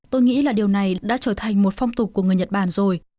tôi nghĩ là điều này đã trở thành một phong tục của người nhật bản rồi